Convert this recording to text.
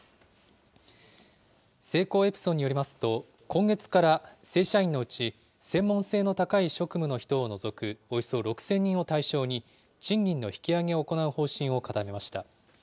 セイコーエプソンによりますと、今月から正社員のうち専門性の高い職務の人を除くおよそ６０００人を対象に、賃金の引き上げを行う方針を固めました。